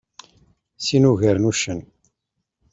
Sin ugaren uccen.